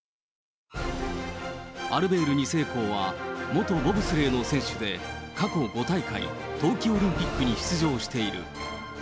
アルベール２世公は元ボブスレーの選手で過去５大会、冬季オリンピックに出場している。